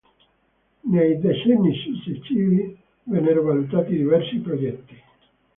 Nei decenni successivi vennero valutati diversi progetti.